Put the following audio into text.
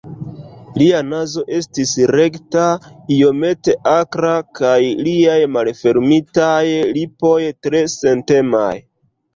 Lia nazo estis rekta, iomete akra kaj liaj malfermitaj lipoj tre sentemaj.